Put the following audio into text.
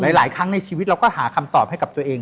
หลายครั้งในชีวิตเราก็หาคำตอบให้กับตัวเอง